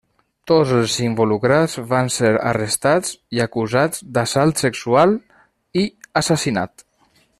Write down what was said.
Tots els involucrats van ser arrestats i acusats d'assalt sexual i assassinat.